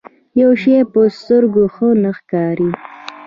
يو شی په سترګو ښه نه ښکاري.